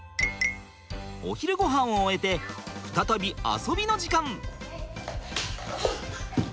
お昼ごはんを終えて再び遊びの時間。